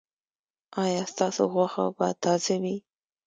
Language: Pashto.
ایا ستاسو غوښه به تازه وي؟